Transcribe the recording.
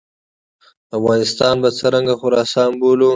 افغانستان به څرنګه خراسان بولو.